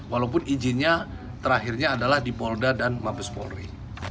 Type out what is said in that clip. walaupun izinnya terakhirnya adalah dipolda dan mampus polri